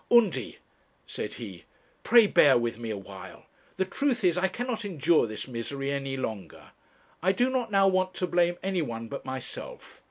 'Undy,' said he, 'pray bear with me a while. The truth is, I cannot endure this misery any longer. I do not now want to blame anyone but myself.